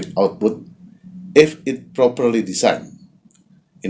jika disesuaikan dengan benar